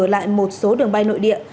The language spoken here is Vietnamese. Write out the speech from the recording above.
và trở lại một số đường bay nội địa